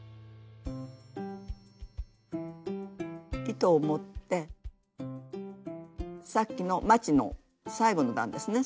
糸を持ってさっきのまちの最後の段ですね